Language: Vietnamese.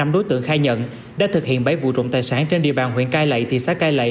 năm đối tượng khai nhận đã thực hiện bảy vụ trộm tài sản trên địa bàn huyện cai lậy thị xã cai lậy